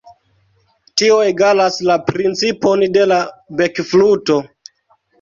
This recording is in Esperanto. Tio egalas la principon de la bekfluto.